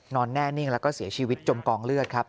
แน่นิ่งแล้วก็เสียชีวิตจมกองเลือดครับ